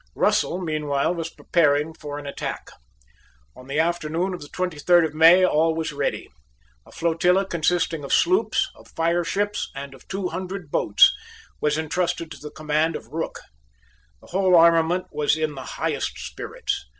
Russell meanwhile was preparing for an attack. On the afternoon of the twenty third of May all was ready. A flotilla consisting of sloops, of fireships, and of two hundred boats, was entrusted to the command of Rooke. The whole armament was in the highest spirits.